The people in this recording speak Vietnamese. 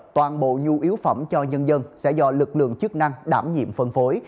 toàn bộ nhu yếu phẩm cho nhân dân sẽ do lực lượng chức năng đảm nhiệm phân phối